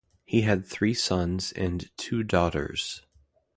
He had three sons and two daughters.